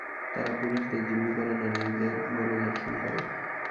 তারা পুরুষদের জিম্মি করে, নারীদের গণধর্ষণ করে।